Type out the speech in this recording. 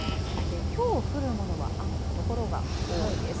きょう降るものは雨の所は多いです。